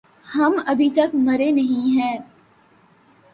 ہم أبھی تک مریں نہیں ہے۔